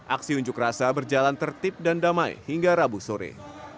aksi unjuk rasa berjalan tertib dan damai hingga rabu sore